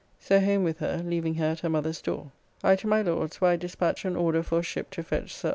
So home with her, leaving her at her mother's door. I to my Lord's, where I dispatched an order for a ship to fetch Sir R.